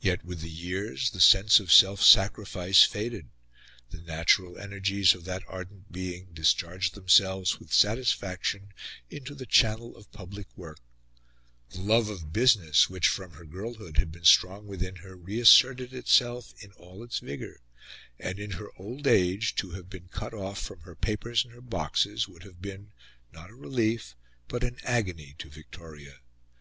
Yet, with the years, the sense of self sacrifice faded; the natural energies of that ardent being discharged themselves with satisfaction into the channel of public work; the love of business which, from her girlhood, had been strong within her, reasserted itself in all its vigour, and, in her old age, to have been cut off from her papers and her boxes would have been, not a relief, but an agony to Victoria.